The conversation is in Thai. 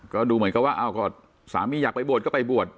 ก็ดูเหมือนกับว่าสามีอยากไปบวชก็ไปบวช